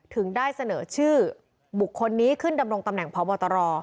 ถึงได้เสนอชื่อบุคคลนี้ขึ้นดำรงตำแหน่งพบตร